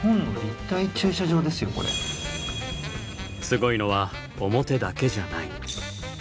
すごいのは表だけじゃない。